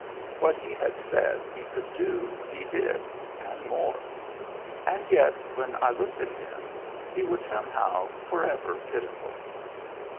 What he had said he could do, he did, and more. And yet, when I looked at him, he was somehow forever pitiful.